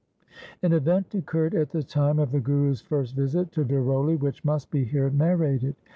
An event occurred at the time of the Guru's first visit to Daroli, which must be here narrated.